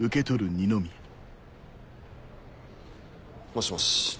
もしもし。